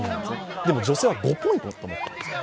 でも女性は５ポイントなんです。